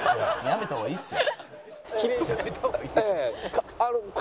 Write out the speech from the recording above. やめた方がいいっすよ。